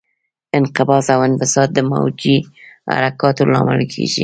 انقباض او انبساط د موجي حرکاتو لامل کېږي.